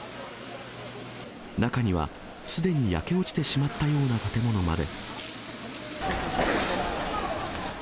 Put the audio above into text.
中にはすでに焼け落ちてしまったような建物まで。